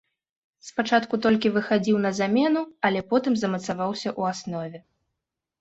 Спачатку толькі выхадзіў на замену, але потым замацаваўся ў аснове.